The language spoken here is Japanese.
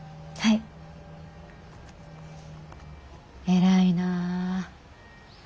偉いなぁ。